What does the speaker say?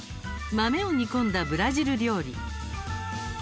豆を煮込んだブラジル料理。